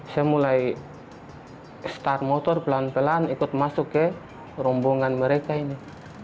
saya mulai start motor pelan pelan ikut masuk ke rombongan mereka ini